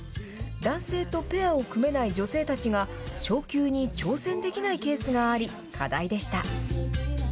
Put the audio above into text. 男性とペアを組めない女性たちが昇級に挑戦できないケースがあり課題でした。